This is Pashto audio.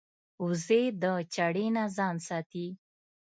وزې د چړې نه ځان ساتي